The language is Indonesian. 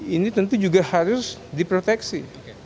ini tentu juga harus diproteksi